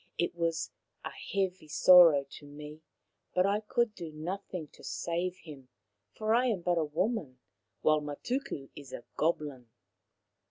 It was a heavy sorrow to me, but I could do nothing to save him, for I am but a woman, while Matuku is a goblin."